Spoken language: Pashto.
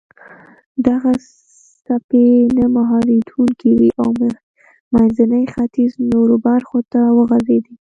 دغه څپې نه مهارېدونکې وې او منځني ختیځ نورو برخو ته وغځېدې.